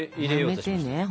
やめてね。